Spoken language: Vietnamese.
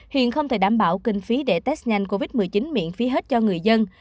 hiện không thể đảm bảo kinh phí để test nhanh covid một mươi chín miễn phí hết cho người dân